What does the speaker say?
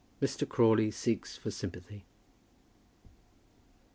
MR. CRAWLEY SEEKS FOR SYMPATHY.